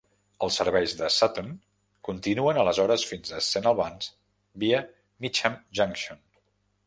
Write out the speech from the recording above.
Els serveis a Sutton continuen aleshores fins a Saint Albans via Mitcham Junction.